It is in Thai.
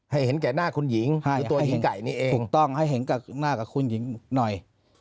เห็นแก่หน้าคุณหญิงหรือตัวหญิงไก่นี่เองถูกต้องให้เห็นกับหน้ากับคุณหญิงหน่อย